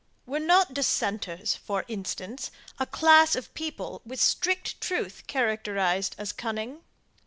Were not dissenters, for instance, a class of people, with strict truth characterized as cunning?